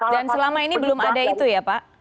dan selama ini belum ada itu ya pak